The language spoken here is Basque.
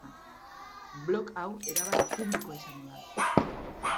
Blog hau erabat publikoa izango da.